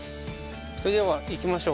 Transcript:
それでは行きましょう。